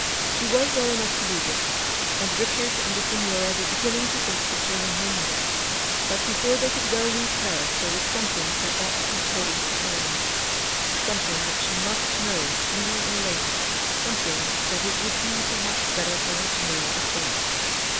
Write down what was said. She was well enough to do this, and Richard and the Signora were beginning to think of turning homewards ; but before they could well leave Paris there was something that ought to be told to Eleanor — something that she must know sooner or later — something that it would be perhaps better for her to know at once.